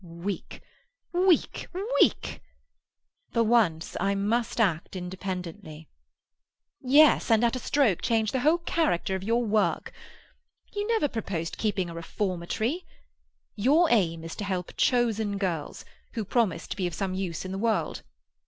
"Oh, weak—weak—weak!" "For once I must act independently." "Yes, and at a stroke change the whole character of your work. You never proposed keeping a reformatory. Your aim is to help chosen girls, who promise to be of some use in the world.